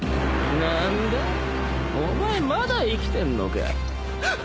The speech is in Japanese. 何だお前まだ生きてんのか。